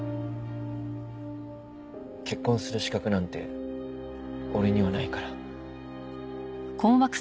結婚する資格なんて俺にはないから。